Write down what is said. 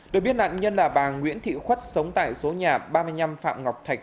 được biết nạn nhân là bà nguyễn thị khuất sống tại số nhà ba mươi năm phạm ngọc thạch